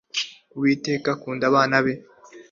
inzobere muri siyansi mu kigo cy'ubushakashatsi mu buvuzi